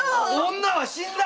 女は死んだ⁉